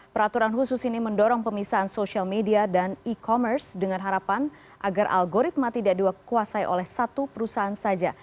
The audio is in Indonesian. peraturan khusus ini mendorong pemisahan social media dan e commerce dengan harapan agar algoritma tidak dikuasai oleh satu perusahaan saja